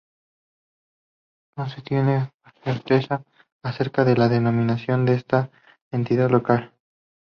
No se tiene certeza acerca de la denominación de esta entidad local.